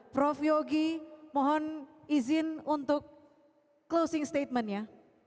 prof yogi mohon izin untuk closing statementnya